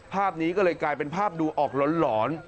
ภาพนี้ก็เลยกลายเป็นภาพดูออกหลอน